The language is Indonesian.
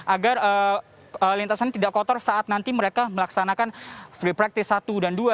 agar lintasan tidak kotor saat nanti mereka melaksanakan free practice satu dan dua